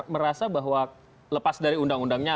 merasa bahwa lepas dari undang undangnya